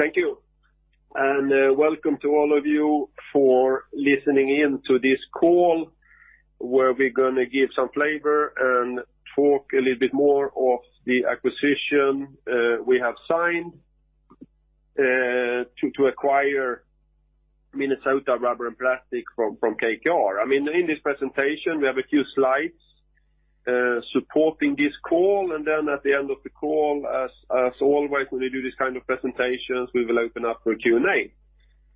Thank you, and welcome to all of you for listening in to this call, where we're gonna give some flavor and talk a little bit more of the acquisition we have signed to acquire Minnesota Rubber and Plastics from KKR. I mean, in this presentation, we have a few slides supporting this call, and then at the end of the call, as always, when we do this kind of presentations, we will open up for Q&A.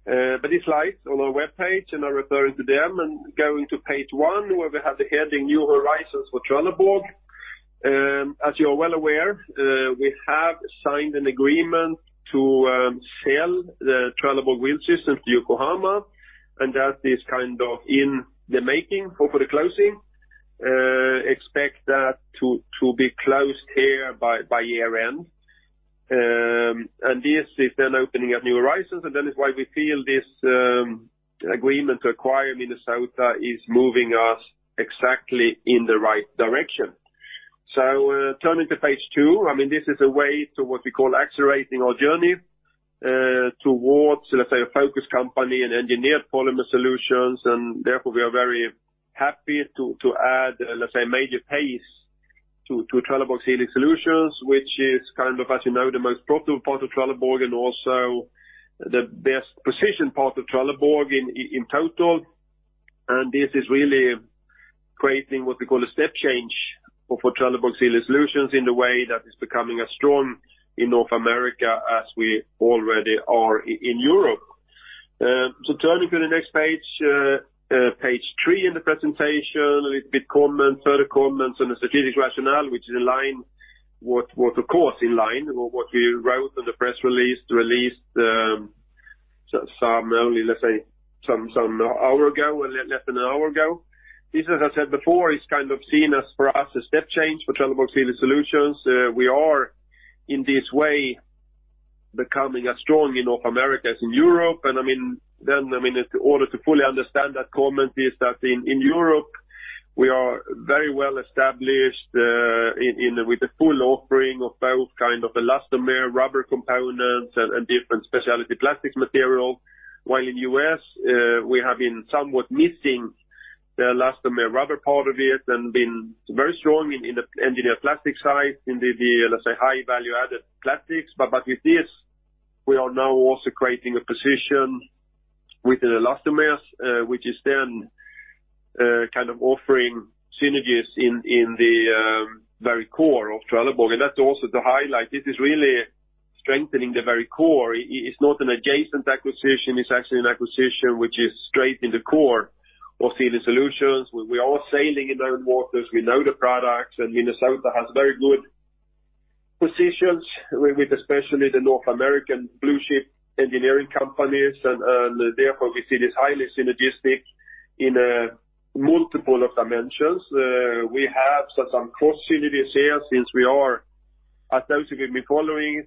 The slides on our webpage, and I refer you to them, and going to page one, where we have the heading New Horizons for Trelleborg. As you are well aware, we have signed an agreement to sell the Trelleborg Wheel Systems to Yokohama, and that is kind of in the making for the closing. Expect that to be closed here by year-end. This is then opening up New Horizons, and that is why we feel this agreement to acquire Minnesota is moving us exactly in the right direction. Turning to page two, I mean, this is a way to what we call accelerating our journey towards, let's say, a focus company in engineered polymer solutions, and therefore, we are very happy to add, let's say, a major pace to Trelleborg Sealing Solutions, which is kind of, as you know, the most profitable part of Trelleborg and also the best precision part of Trelleborg in total. This is really creating what we call a step change for Trelleborg Sealing Solutions in the way that is becoming as strong in North America as we already are in Europe. So turning to the next page three in the presentation, further comments on the strategic rationale, which is of course in line with what we wrote in the press release released only, let's say, some hour ago, less than an hour ago. This, as I said before, is kind of seen as for us a step change for Trelleborg Sealing Solutions. We are in this way becoming as strong in North America as in Europe. I mean, in order to fully understand that comment is that in Europe, we are very well established, with a full offering of both kind of elastomer, rubber components and different specialty plastics material. While in U.S., we have been somewhat missing the elastomer rubber part of it and been very strong in the engineered plastic side, let's say, high value-added plastics. With this, we are now also creating a position with the elastomers, which is then kind of offering synergies in the very core of Trelleborg. That's also to highlight, this is really strengthening the very core. It's not an adjacent acquisition, it's actually an acquisition which is straight in the core of Sealing Solutions. We are sailing in known waters, we know the products, and Minnesota has very good positions with especially the North American blue-chip engineering companies, and therefore, we see this highly synergistic in multiple dimensions. We have some cross-selling here since we are, as those of you who've been following,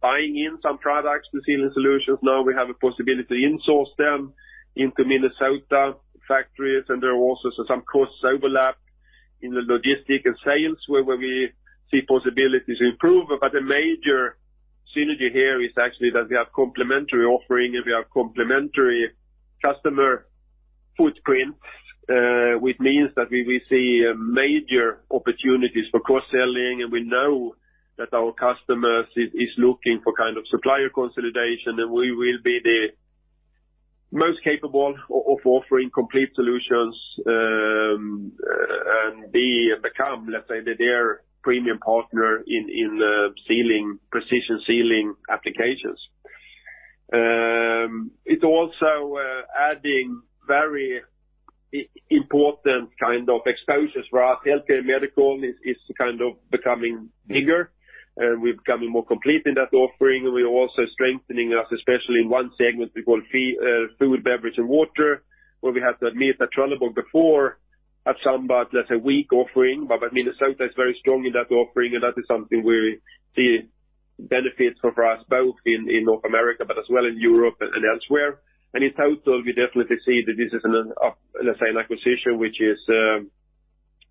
buying in some products to Sealing Solutions. Now we have a possibility to insource them into Minnesota factories, and there are also some cost overlap in the logistics and sales where we see possibilities to improve. The major synergy here is actually that we have complementary offering, and we have complementary customer footprint, which means that we see major opportunities for cross-selling, and we know that our customers is looking for kind of supplier consolidation, and we will be the most capable of offering complete solutions, and become, let's say, their premium partner in the sealing, precision sealing applications. It also adding very important kind of exposures for us. Healthcare and medical is kind of becoming bigger, and we're becoming more complete in that offering. We are also strengthening us, especially in one segment we call food, beverage, and water, where we had to admit at Trelleborg before had some about, let's say, weak offering. Minnesota is very strong in that offering, and that is something we see benefits for us both in North America, but as well in Europe and elsewhere. In total, we definitely see that this is an upside, let's say, an acquisition which is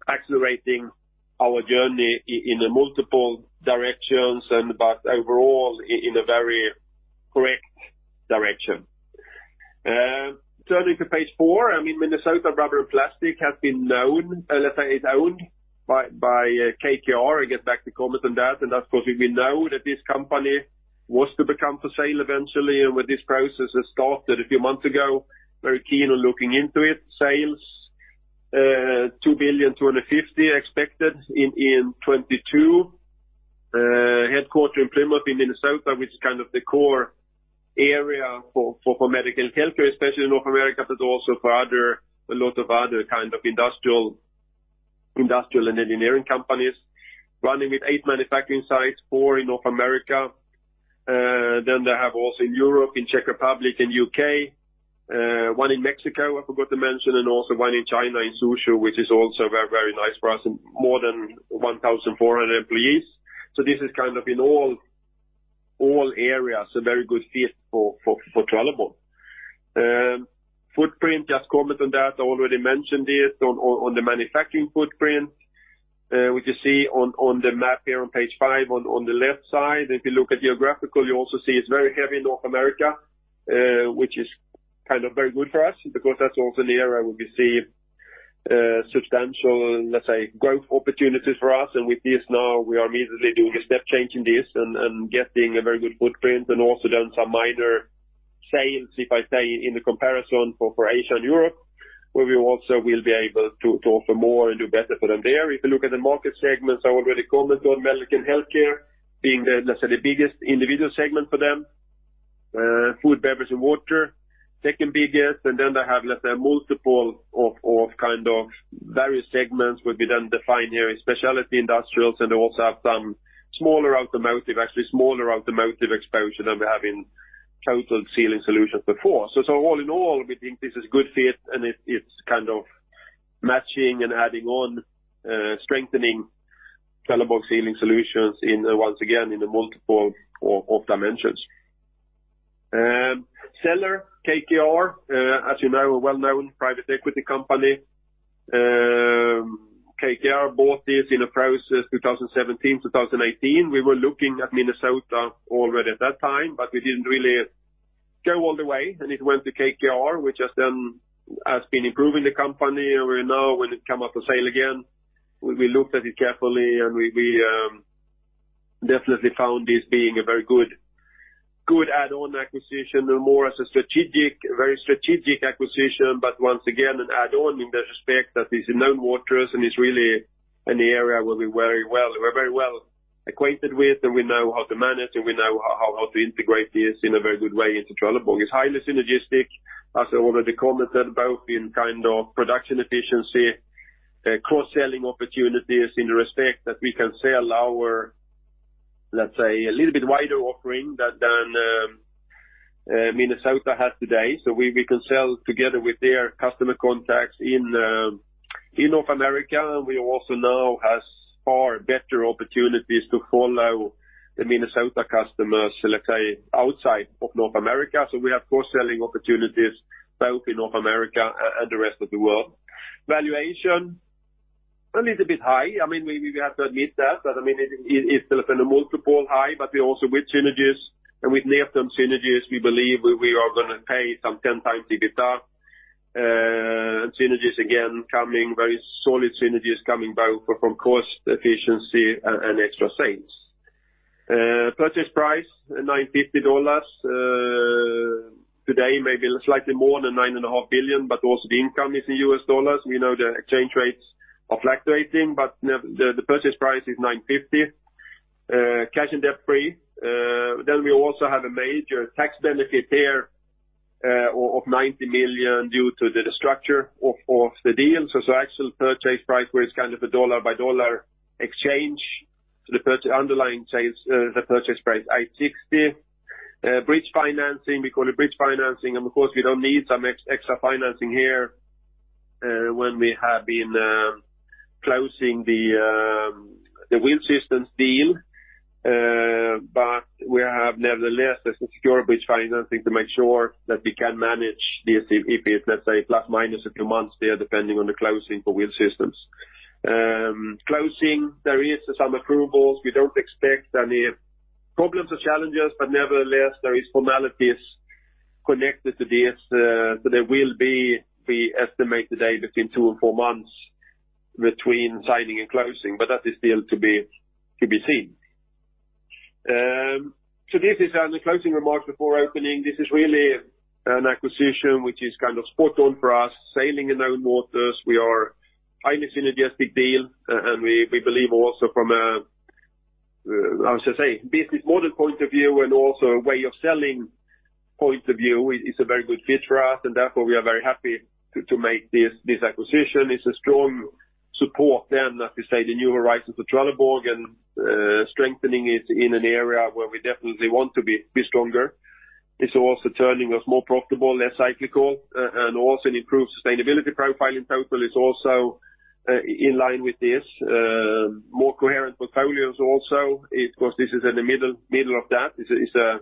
accelerating our journey in multiple directions but overall in a very correct direction. Turning to page four, I mean, Minnesota Rubber and Plastics has been known, let's say, is owned by KKR. I get back to comment on that, and that's because we know that this company was to become for sale eventually, and when this process has started a few months ago, very keen on looking into it. Sales 2.25 billion expected in 2022. Headquarters in Plymouth, Minnesota, which is kind of the core area for medical and healthcare, especially in North America, but also for other, a lot of other kind of industrial and engineering companies. Running with eight manufacturing sites, four in North America. They have also in Europe, in Czech Republic and UK, one in Mexico, I forgot to mention, and also 1 in China, in Suzhou, which is also very, very nice for us, and more than 1,400 employees. This is kind of in all areas a very good fit for Trelleborg. Footprint, just comment on that. I already mentioned it on the manufacturing footprint, which you see on the map here on page 5 on the left side. If you look at geographical, you also see it's very heavy in North America, which is kind of very good for us because that's also an area where we see substantial, let's say, growth opportunities for us. With this now, we are immediately doing a step change in this and getting a very good footprint, and also done some minor sales, if I say, in the comparison for Asia and Europe, where we also will be able to offer more and do better for them there. If you look at the market segments, I already commented on medical and healthcare being the, let's say, the biggest individual segment for them. Food, beverage, and water, second biggest. They have, let's say, multiple of kind of various segments will be then defined here in specialty industrials, and they also have some smaller automotive, actually smaller automotive exposure than we have in total Sealing Solutions before. All in all, we think this is a good fit, and it's kind of matching and adding on, strengthening Trelleborg Sealing Solutions in, once again, in the multiple of dimensions. Seller KKR, as you know, a well-known private equity company. KKR bought this in a process 2017-2018. We were looking at Minnesota already at that time, but we didn't really go all the way, and it went to KKR, which has been improving the company. We know when it came up for sale again, we definitely found this being a very good add-on acquisition and more as a very strategic acquisition. Once again, an add-on in the respect that it's in known waters and it's really an area where we're very well acquainted with and we know how to manage and we know how to integrate this in a very good way into Trelleborg. It's highly synergistic, as I already commented, both in kind of production efficiency, cross-selling opportunities in the respect that we can sell our, let's say, a little bit wider offering than Minnesota has today. We can sell together with their customer contacts in North America, and we also now has far better opportunities to follow the Minnesota customers, let's say, outside of North America. We have cross-selling opportunities both in North America and the rest of the world. Valuation, a little bit high. I mean, we have to admit that, but I mean, it's still in a multiple high, but we also with synergies and with near-term synergies, we believe we are gonna pay some 10x EBITDA. Synergies again coming, very solid synergies coming both from cost efficiency and extra sales. Purchase price $950 million. Today may be slightly more than 9.5 billion, but also the income is in U.S. dollars. We know the exchange rates are fluctuating, but the purchase price is $950 million, cash- and debt-free. We also have a major tax benefit there of 90 million due to the structure of the deal. Actual purchase price was kind of a dollar-for-dollar exchange to the underlying sales, the purchase price $860 million. Bridge financing, we call it bridge financing, and of course we don't need some extra financing here, when we have been closing the Wheel Systems deal. We have nevertheless a secure bridge financing to make sure that we can manage this if it's, let's say, plus/minus a few months there, depending on the closing for Trelleborg Wheel Systems. Closing, there are some approvals. We don't expect any problems or challenges, but nevertheless, there are formalities connected to this. There will be, we estimate today between two and four months between signing and closing, but that is still to be seen. This is on the closing remarks before opening. This is really an acquisition which is kind of spot on for us, sailing in known waters. We are highly synergistic deal, and we believe also from a, I should say, business model point of view and also a way of selling point of view, it's a very good fit for us, and therefore, we are very happy to make this acquisition. It's a strong support then as we say, the new horizons for Trelleborg and strengthening it in an area where we definitely want to be stronger. It's also turning us more profitable, less cyclical, and also an improved sustainability profile in total is also in line with this. More coherent portfolios also, of course, this is in the middle of that. It's a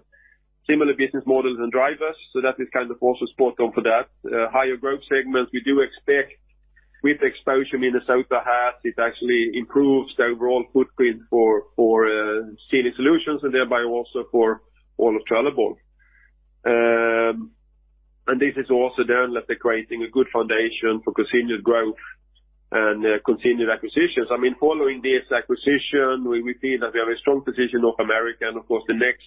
similar business models and drivers, so that is kind of also spot on for that. Higher growth segments, we do expect with exposure Minnesota has. It actually improves the overall footprint for Sealing Solutions and thereby also for all of Trelleborg. This is also then, let's say, creating a good foundation for continued growth and continued acquisitions. I mean, following this acquisition, we see that we have a strong position in North America, and of course, the next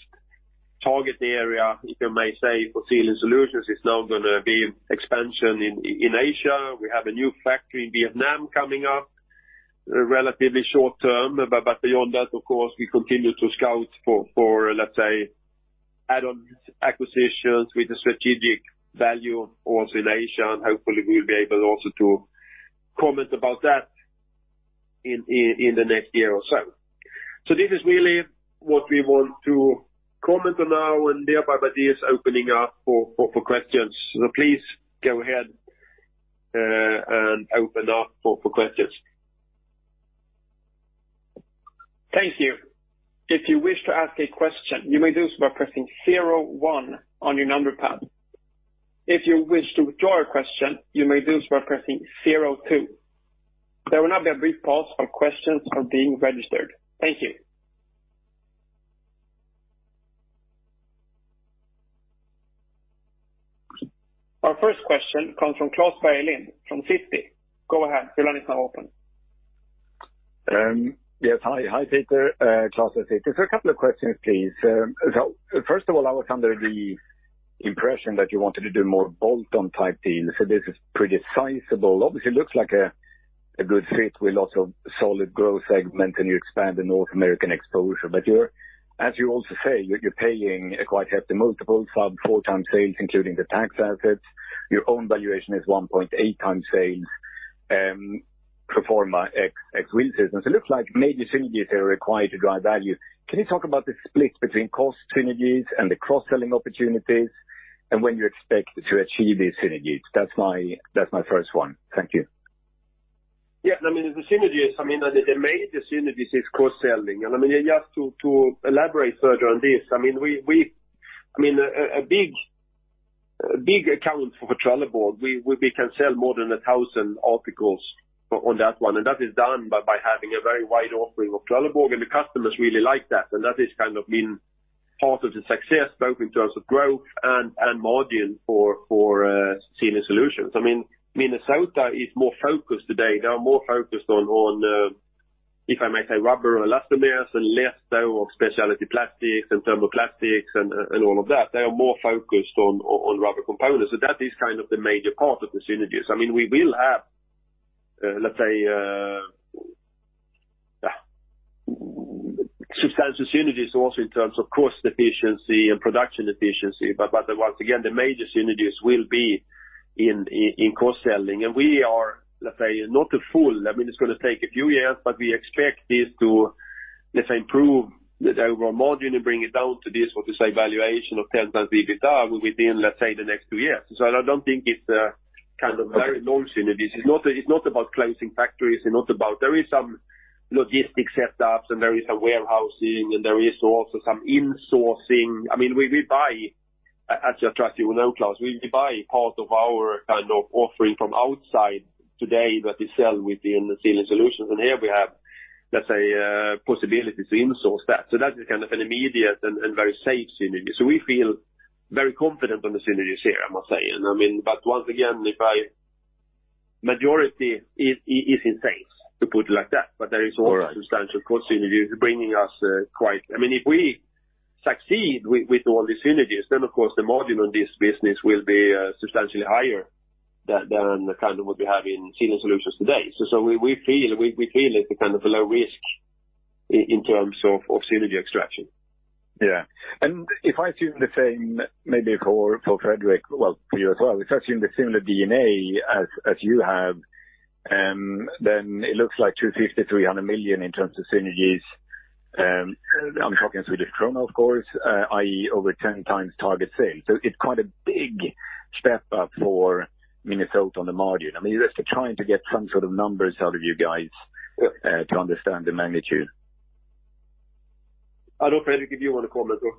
target area, if I may say, for Sealing Solutions is now gonna be expansion in Asia. We have a new factory in Vietnam coming up relatively short term, but beyond that, of course, we continue to scout for, let's say, add-on acquisitions with a strategic value also in Asia, and hopefully, we'll be able also to comment about that in the next year or so. This is really what we want to comment on now, and thereby by this opening up for questions. Please go ahead and open up for questions. Thank you. If you wish to ask a question, you may do so by pressing zero-one on your number pad. If you wish to withdraw a question, you may do so by pressing zero-two. There will now be a brief pause while questions are being registered. Thank you. Our first question comes from Claus Bay-Lind from Fifty. Go ahead. Your line is now open. Yes. Hi, Peter. Claus Bay-Lind. Just a couple of questions, please. First of all, I was under the impression that you wanted to do more bolt-on type deals. This is pretty sizable. Obviously, it looks like a good fit with lots of solid growth segment, and you expand the North American exposure. You're, as you also say, paying a quite hefty multiple, sub 4x sales, including the tax assets. Your own valuation is 1.8x sales, pro forma ex synergies. It looks like major synergies are required to drive value. Can you talk about the split between cost synergies and the cross-selling opportunities and when you expect to achieve these synergies? That's my first one. Thank you. Yeah. I mean, the synergies, I mean, the major synergies is cross-selling. I mean, just to elaborate further on this, I mean, a big account for Trelleborg, we can sell more than 1,000 articles on that one, and that is done by having a very wide offering of Trelleborg, and the customers really like that. That is kind of been part of the success, both in terms of growth and margin for Sealing Solutions. I mean, Minnesota is more focused today. They are more focused on, if I may say, rubber elastomers and less so of specialty plastics and thermoplastics and all of that. They are more focused on rubber components. That is kind of the major part of the synergies. I mean, we will have, let's say, substantial synergies also in terms of cost efficiency and production efficiency. Once again, the major synergies will be in cross-selling. I mean, it's gonna take a few years, but we expect this to, let's say, improve the overall margin and bring it down to this, what to say, valuation of 10x EBITDA within, let's say, the next 2 years. I don't think it's a kind of very large synergies. It's not about closing factories. There is some logistics setups, and there is warehousing, and there is also some insourcing. I mean, we buy, as I'm sure you know, Claus, we buy part of our kind of offering from outside today that we sell within the Sealing Solutions. Here we have, let's say, possibility to insource that. That is kind of an immediate and very safe synergy. We feel very confident on the synergies here, I must say. I mean, but once again, majority is in sales, to put it like that. All right. There is also substantial cost synergies bringing us, I mean, if we succeed with all these synergies, then, of course, the margin on this business will be substantially higher than the kind of what we have in Sealing Solutions today. We feel it's a kind of a low risk in terms of synergy extraction. Yeah. If I assume the same maybe for Fredrik, well, for you as well, it's actually in the similar DNA as you have, then it looks like 250-300 million in terms of synergies. I'm talking Swedish krona, of course, i.e., over 10 times target sales. It's quite a big step up for Minnesota on the margin. I mean, just trying to get some sort of numbers out of you guys, to understand the magnitude. I don't know, Fredrik, if you want to comment or?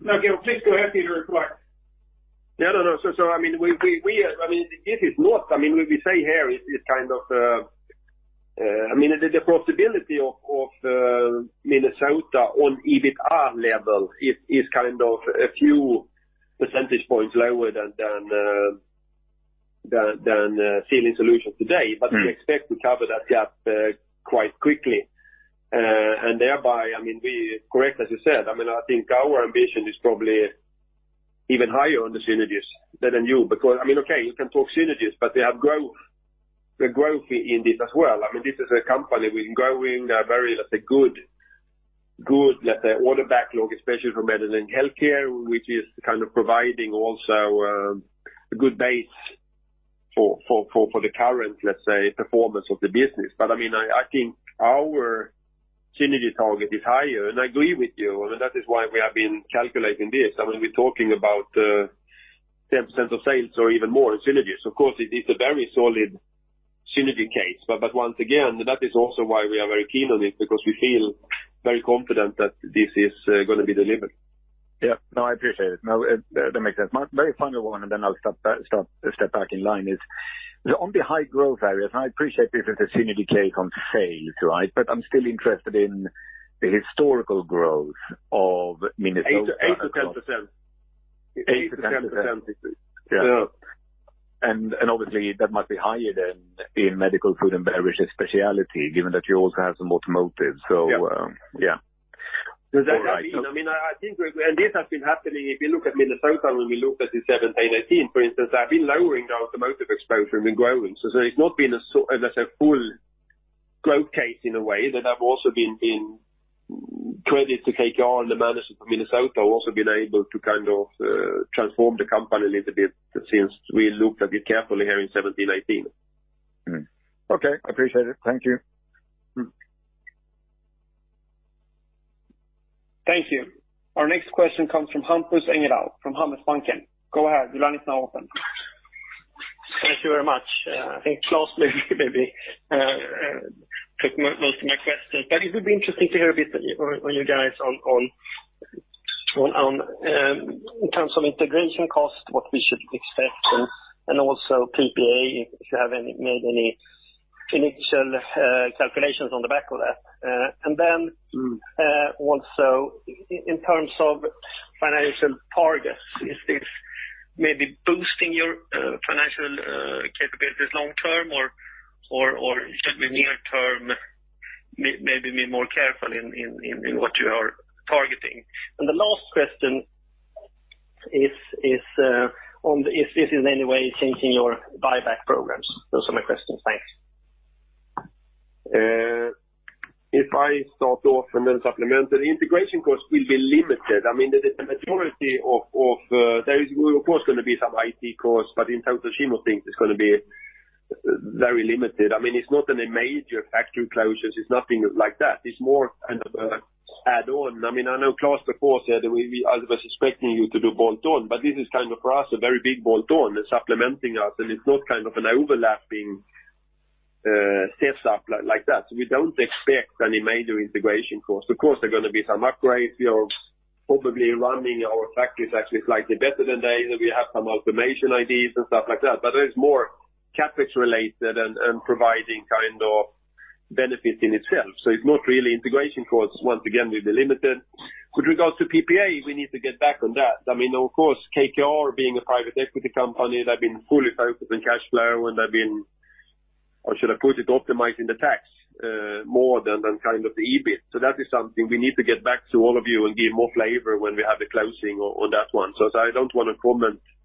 No. Please go ahead, Peter. I mean, what we say here is kind of, I mean, the profitability of Minnesota on EBITDA level is kind of a few percentage points lower than Sealing Solutions today. Mm-hmm. We expect to cover that gap quite quickly. Thereby, I mean, correct, as you said, I mean, I think our ambition is probably even higher on the synergies than yours because, I mean, okay, you can talk synergies, but they have growth, the growth in this as well. I mean, this is a company with a growing, very, let's say, good order backlog, especially for medical and healthcare, which is kind of providing also a good base for the current, let's say, performance of the business. I mean, I think our synergy target is higher, and I agree with you, and that is why we have been calculating this. I mean, we're talking about 10% of sales or even more in synergies. Of course, it is a very solid synergy case. Once again, that is also why we are very keen on it because we feel very confident that this is gonna be delivered. Yeah. No, I appreciate it. No, that makes sense. My very final one, and then I'll stop, step back in line, is on the high-growth areas, and I appreciate this is a synergy case on sales, right? But I'm still interested in the historical growth of Minnesota. 8%-10%. 8%-10%. 8%-10%. Obviously, that must be higher than in medical, food and beverage and specialty, given that you also have some automotive. Yeah. Yeah. All right. I mean, I think we're. This has been happening. If you look at Minnesota when we looked at it 2017, 2018, for instance, I've been lowering our automotive exposure and been growing. It's not been a full growth case in a way, but it's also been incredible to take on the management of Minnesota. I've also been able to kind of transform the company a little bit since we looked at it carefully here in 2017, 2018. Okay. I appreciate it. Thank you. Thank you. Our next question comes from Hampus Engellau from Handelsbanken. Go ahead, your line is now open. Thank you very much. I think Claus maybe took most of my questions, but it would be interesting to hear a bit from you guys in terms of integration cost, what we should expect, and also PPA, if you have made any initial calculations on the back of that. And then. Mm. Also, in terms of financial targets, is this maybe boosting your financial capabilities long term or should we near term maybe be more careful in what you are targeting? The last question is this in any way changing your buyback programs? Those are my questions. Thanks. If I start off and then supplement, the integration cost will be limited. I mean, the majority of there is of course gonna be some IT costs, but in terms of scheme of things, it's gonna be very limited. I mean, it's not any major factory closures, it's nothing like that. It's more kind of add on. I mean, I know Claus Bay-Lind of course said we I was expecting you to do bolt on, but this is kind of for us a very big bolt on, supplementing us, and it's not kind of an overlapping setup like that. We don't expect any major integration costs. Of course, there are gonna be some upgrades. We are probably running our factories actually slightly better than they, we have some automation ideas and stuff like that, but it's more CapEx related and providing kind of benefits in itself. It's not really integration costs. Once again, we'll be limited. With regards to PPA, we need to get back on that. I mean, of course, KKR being a private equity company, they've been fully focused on cash flow, and they've been, or should I put it, optimizing the tax, more than than kind of the EBIT. That is something we need to get back to all of you and give more flavor when we have the closing on that one. I don't want to comment any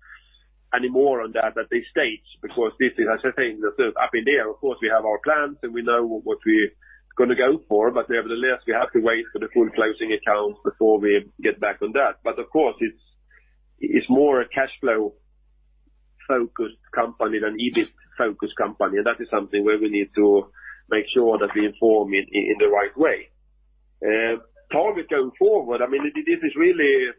more on that at this stage, because this is, as I say, up in the air. Of course, we have our plans, and we know what we're gonna go for, but nevertheless, we have to wait for the full closing accounts before we get back on that. Of course, it's more a cash flow-focused company than EBIT-focused company. That is something where we need to make sure that we inform in the right way. Target going forward, I mean, this is really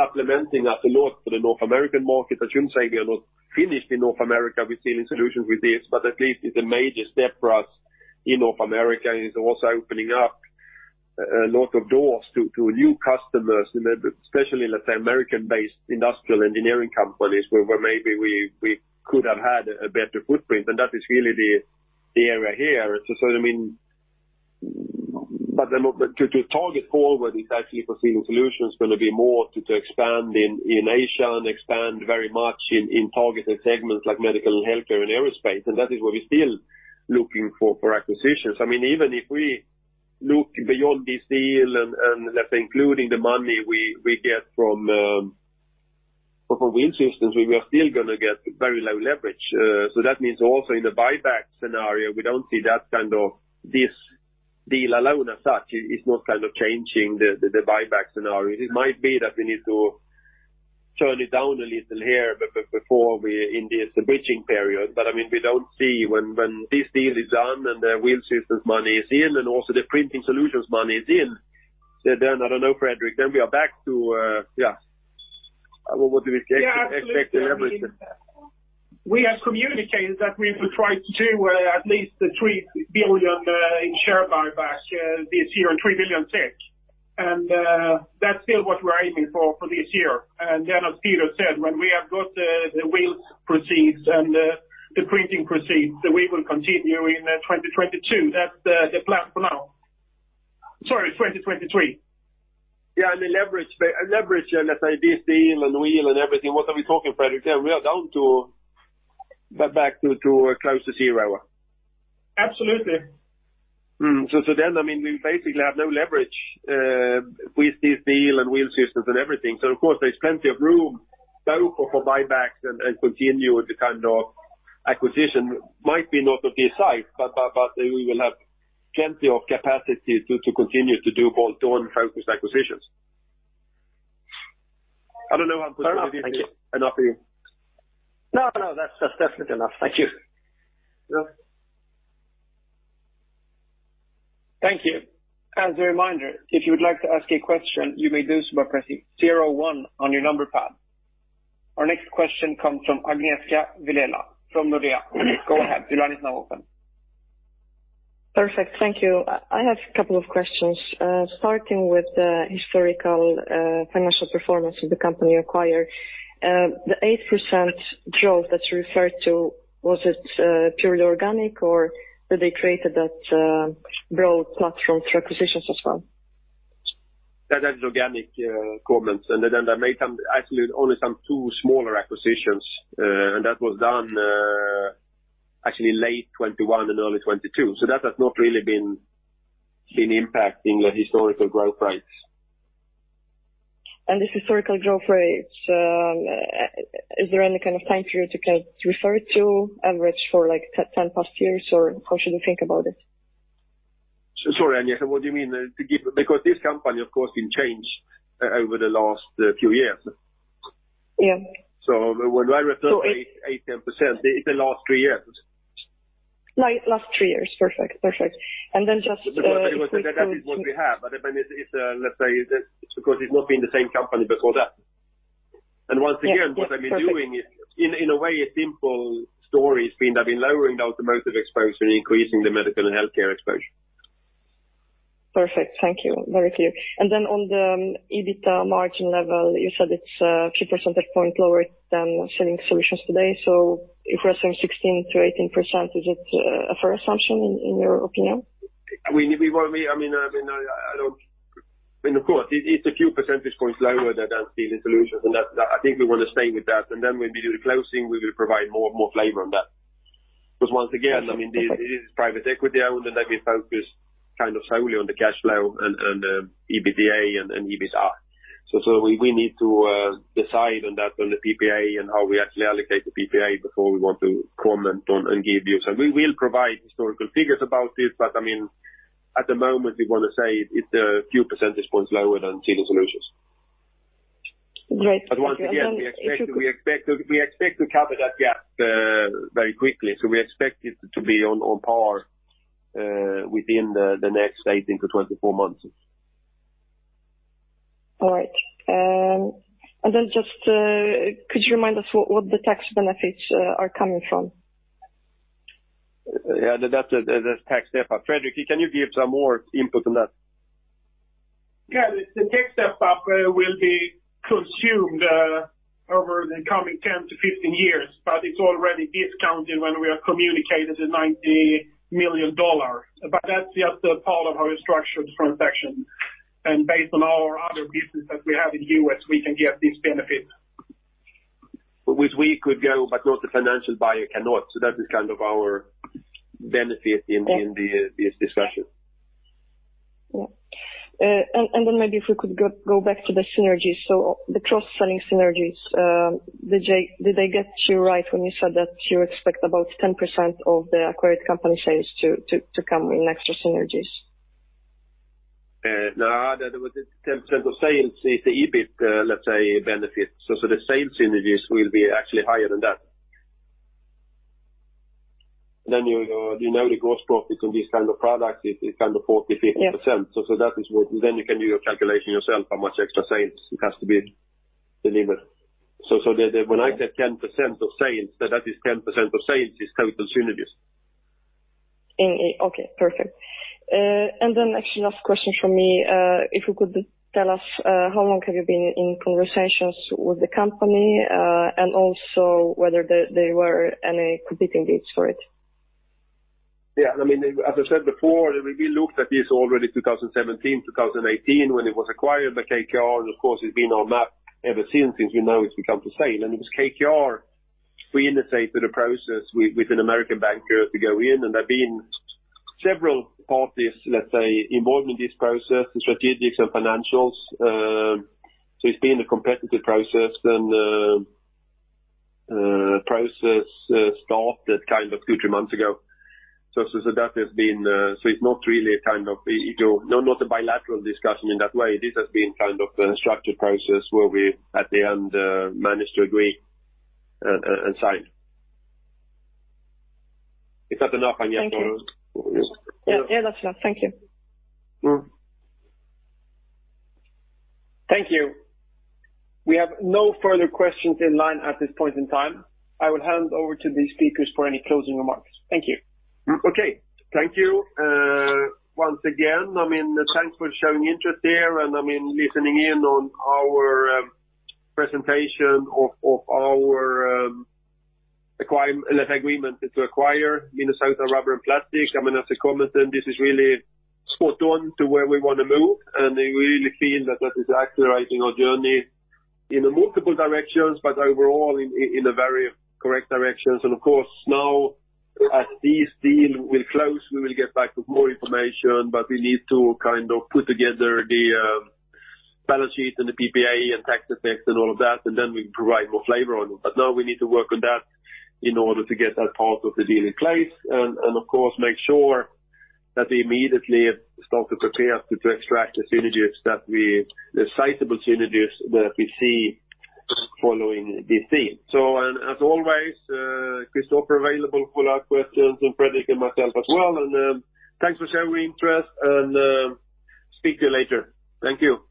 supplementing us a lot for the North American market. I shouldn't say we are not finished in North America with Sealing Solutions with this, but at least it's a major step for us in North America, and it's also opening up a lot of doors to new customers, especially, let's say, American-based industrial engineering companies, where maybe we could have had a better footprint. That is really the area here. I mean. To target forward, exactly for Sealing Solutions gonna be more to expand in Asia and expand very much in targeted segments like medical, healthcare, and aerospace. That is where we're still looking for acquisitions. I mean, even if we look beyond this deal and let's say including the money we get from Wheel Systems, we are still gonna get very low leverage. That means also in the buyback scenario, we don't see that kind of this deal alone as such. It's not kind of changing the buyback scenario. It might be that we need to tone it down a little here before we end this bridging period. I mean, we don't see when this deal is done and the Wheel Systems money is in and also the Printing Solutions money is in, so then I don't know, Fredrik, then we are back to, what do we expect in leverage then? Yeah, absolutely. We have communicated that we will try to do at least 3 billion in share buyback this year, and 3 billion. That's still what we're aiming for this year. Then as Peter said, when we have got the wheel proceeds and the printing proceeds, we will continue in 2022. That's the plan for now. Sorry, 2023. Yeah, and the leverage, let's say, this deal and wheel and everything, what are we talking, Fredrik? Then we are down to back to close to zero. Absolutely. I mean, we basically have no leverage with this deal and Wheel Systems and everything. Of course, there's plenty of room both for buybacks and continue with the kind of acquisition. Might not be of this size, but we will have plenty of capacity to continue to do bolt-on focused acquisitions. I don't know, Hampus, if you have anything to add. No, no, that's definitely enough. Thank you. Yeah. Thank you. As a reminder, if you would like to ask a question, you may do so by pressing zero one on your number pad. Our next question comes from Agnieszka Vilela from Nordea. Go ahead. Your line is now open. Perfect. Thank you. I have a couple of questions, starting with the historical financial performance of the company acquired. The 8% growth that you referred to, was it purely organic or did they create that growth platform through acquisitions as well? That is organic growth. Then they made actually only some two smaller acquisitions. That was done actually late 2021 and early 2022. That has not really been impacting the historical growth rates. This historical growth rates, is there any kind of time period you can refer to, average for like 10+ years, or how should we think about it? Sorry, Agnieszka, what do you mean? To give. Because this company, of course, didn't change over the last few years. Yeah. When I refer to 8%-10%, it's the last three years. Like last three years. Perfect. just, That is what we have. It's, let's say that it's because it's not been the same company before that. Yes. Once again, what I've been doing is, in a way, a simple story. It's been lowering the automotive exposure and increasing the medical and healthcare exposure. Perfect. Thank you. Very clear. Then on the EBITDA margin level, you said it's two percentage point lower than Sealing Solutions today. If we're saying 16%-18%, is it a fair assumption in your opinion? I mean, of course, it's a few percentage points lower than Sealing Solutions, and that's. I think we want to stay with that. When we do the closing, we will provide more flavor on that. Because once again, I mean, it is private equity owned, and they've been focused kind of solely on the cash flow and EBITDA. We need to decide on the PPA and how we actually allocate the PPA before we want to comment on and give you. We will provide historical figures about this, but I mean, at the moment, we want to say it's a few percentage points lower than Sealing Solutions. Great. Once again, we expect to cover that gap very quickly. We expect it to be on par within the next 18-24 months. All right. Just, could you remind us what the tax benefits are coming from? Yeah. That's tax step-up. Fredrik, can you give some more input on that? The tax step-up will be consumed over the coming 10-15 years, but it's already discounted when we are communicated the $90 million. That's just a part of how we structured the transaction. Based on our other business that we have in U.S., we can get this benefit. Which we could go, but the financial buyer cannot. That is kind of our benefit in this discussion. Yeah. Maybe if we could go back to the synergies. The cross-selling synergies, did I get you right when you said that you expect about 10% of the acquired company sales to come in extra synergies? No. That was it. 10% of sales is the EBIT, let's say, benefit. The sales synergies will be actually higher than that. You know, the gross profit in this kind of product is kind of 40%-50%. Yeah. That is what. You can do your calculation yourself, how much extra sales it has to be delivered. When I say 10% of sales, that is 10% of sales is total synergies. Okay, perfect. Actually last question from me, if you could tell us how long have you been in conversations with the company, and also whether there were any competing bids for it? Yeah. I mean, as I said before, we looked at this already 2017, 2018 when it was acquired by KKR, and of course, it's been on the map ever since we know it's up for sale. I mean, it was KKR who initiated a process with an American banker to go out, and there have been several parties, let's say, involved in this process, strategics and financials. It's been a competitive process, and process started kind of 2-3 months ago. No, not a bilateral discussion in that way. This has been kind of a structured process where we at the end managed to agree and sign. Is that enough, Agnieszka? Thank you. Or you- Yeah. Yeah, that's enough. Thank you. Mm-hmm. Thank you. We have no further questions in line at this point in time. I will hand over to the speakers for any closing remarks. Thank you. Okay. Thank you once again. I mean, thanks for showing interest here, and I mean, listening in on our presentation of our agreement to acquire Minnesota Rubber and Plastics. I mean, as a comment, then this is really spot on to where we wanna move, and we really feel that that is accelerating our journey in a multiple directions, but overall in a very correct directions. Of course, now as this deal will close, we will get back with more information, but we need to kind of put together the balance sheet and the PPA and tax effects and all of that, and then we provide more flavor on it. Now we need to work on that in order to get that part of the deal in place and of course make sure that we immediately start to prepare to extract the sizable synergies that we see following this deal. As always, Christofer available for our questions, and Fredrik and myself as well. Thanks for showing interest and speak to you later. Thank you.